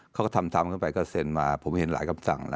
เขาก็ทำขึ้นไปก็เซ็นมาผมเห็นหลายคำสั่งนะ